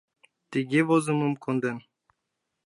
Тыге возымым конден: